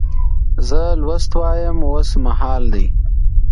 زه لوست وایم اوس مهال دی.